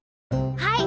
はい！